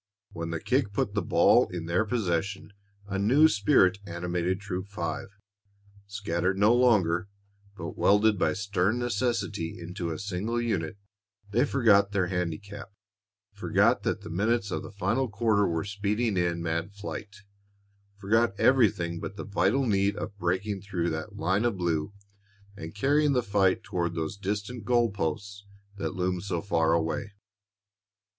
When the kick put the ball in their possession, a new spirit animated Troop Five. Scattered no longer, but welded by stern necessity into a single unit, they forgot their handicap, forgot that the minutes of the final quarter were speeding in mad flight, forgot everything but the vital need of breaking through that line of blue and carrying the fight toward those distant goal posts that loomed so far away.